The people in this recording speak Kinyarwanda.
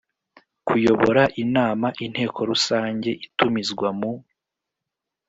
kuyobora inama Inteko Rusange itumizwa mu